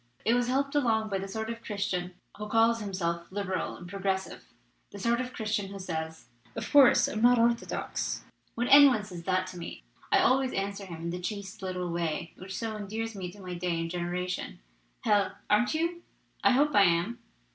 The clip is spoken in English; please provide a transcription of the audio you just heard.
It was helped along by the sort of Christian who calls himself ' liberal* and 'progressive,' the sort of Christian who says, 'Of couse, I'm not orthodox.' When any one says that to me, I always answer 294 HERESY OF SUPERMANISM him in the chaste little way which so endears me to my day and generation: 'Hell, aren't you? I hope I am!'